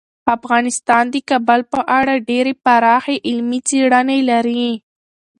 افغانستان د کابل په اړه ډیرې پراخې علمي څېړنې لري.